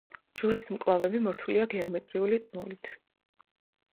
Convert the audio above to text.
ჯვრის მკლავები მორთულია გეომეტრიული წნულით.